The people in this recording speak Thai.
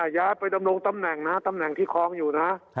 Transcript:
ย้ายไปดำรงตำแหน่งนะตำแหน่งที่คลองอยู่นะ